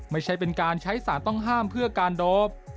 ไม่ใช่เป็นการใช้สารต้องห้ามเพื่อการโดป